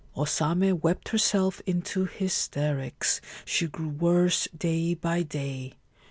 O Same wept herself into hysterics. She grew worse day by day.